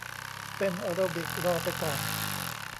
เต้นแอโรบิครอไปก่อน